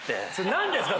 何ですか？